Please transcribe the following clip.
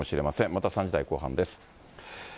また３時台後半です。